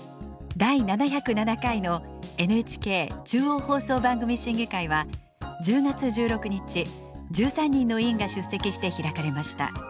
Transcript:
第７０７回のＮＨＫ中央放送番組審議会は１０月１６日１３人の委員が出席して開かれました。